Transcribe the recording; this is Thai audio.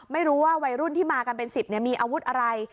ไม่รู้ว่าวัยรุ่นที่มากันเป็น๑๐มีอาวุธอะไร